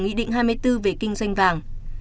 nghị định hai mươi bốn về kinh doanh vàng